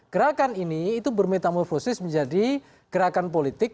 gerakan ini itu bermetamorfosis menjadi gerakan politik